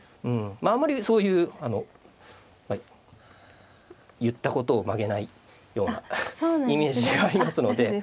うんあんまりそういう言ったことを曲げないようなイメージがありますので。